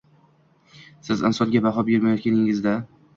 Siz insonga baho berayotganingizda